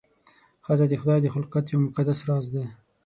ښځه د خدای د خلقت یو مقدس راز دی.